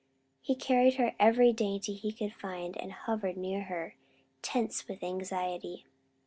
He carried her every dainty he could find and hovered near her, tense with anxiety.